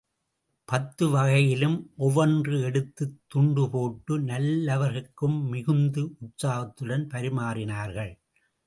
பத்துவகையிலும் ஒவ்வொன்று எடுத்து, துண்டு போட்டு, நால்வர்க்கும் மிகுந்த உற்சாகத்துடன் பரிமாறினார்கள்.